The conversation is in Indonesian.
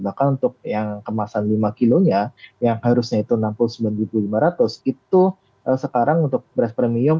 bahkan untuk yang kemasan lima kilonya yang harusnya itu enam puluh sembilan lima ratus itu sekarang untuk beras premium